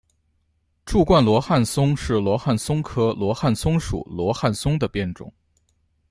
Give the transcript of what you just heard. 柱冠罗汉松是罗汉松科罗汉松属罗汉松的变种。